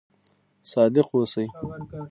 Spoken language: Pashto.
صادق اوسئ